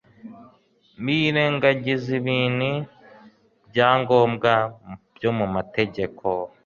Birengagizaga ibinhi byangombwa byo mu mategeko,